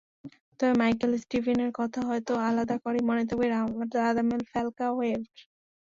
তবে মাইকেল স্টিভেনের কথা হয়তো আলাদা করেই মনে থাকবে রাদামেল ফ্যালকাওয়ের।